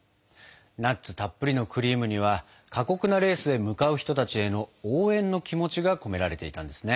ナッツたっぷりのクリームには過酷なレースへ向かう人たちへの応援の気持ちが込められていたんですね。